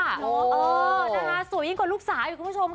เออนะคะสวยยิ่งกว่าลูกสาวอีกคุณผู้ชมค่ะ